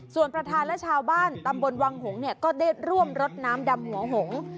ส่วนประธานและชาวบ้านตำบลวังหงษ์ก็ได้ร่วมรดน้ำดำหัวหง